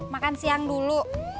makan siang dulu